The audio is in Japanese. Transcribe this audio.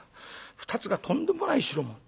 ２つがとんでもない代物。